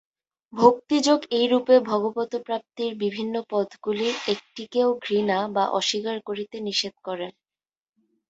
ভক্তিযোগ এইরূপে ভগবৎপ্রাপ্তির বিভিন্ন পথগুলির একটিকেও ঘৃণা বা অস্বীকার করিতে নিষেধ করেন।